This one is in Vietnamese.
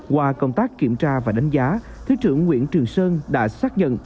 qua công tác kiểm tra và đánh giá thứ trưởng nguyễn trường sơn đã xác nhận